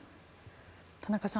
田中さん